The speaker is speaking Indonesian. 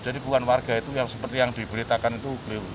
jadi bukan warga itu yang seperti yang diberitakan itu